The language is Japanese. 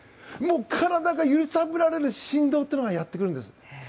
体が揺さぶれる振動というのがやってくるんです。